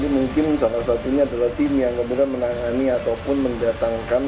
mungkin salah satunya adalah tim yang kemudian menangani ataupun mendatangkan